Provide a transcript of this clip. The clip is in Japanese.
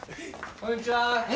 こんにちはー！